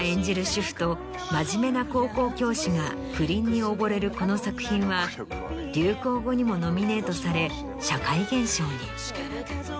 主婦と真面目な高校教師が不倫に溺れるこの作品は流行語にもノミネートされ社会現象に。